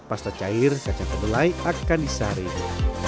pasca cair kacang kedelai akan disaring